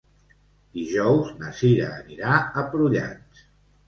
Dijous na Cira anirà a Prullans.